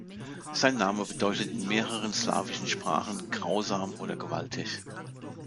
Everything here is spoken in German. Sein Name bedeutet in mehreren slawischen Sprachen „grausam“ oder „gewaltig“.